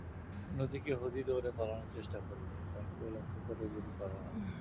অন্যদিকে হূদি দৌঁড়ে পালানোর চেষ্টা করলে তাঁকেও লক্ষ্য করে গুলি করা হয়।